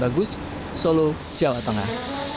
bagus solo jawa tengah